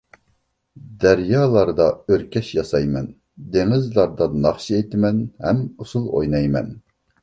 دەريالاردا ئۆركەش ياسايمەن، دېڭىزلاردا ناخشا ئېيتىمەن ھەم ئۇسسۇل ئوينايمەن.